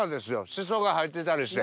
シソが入ってたりして。